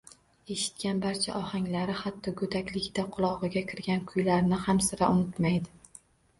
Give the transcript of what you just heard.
Eshitgan barcha ohanglari, hatto go‘dakligida qulog‘iga kirgan kuylarni ham sira unutmaydi.